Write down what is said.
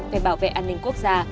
về bảo vệ an ninh quốc gia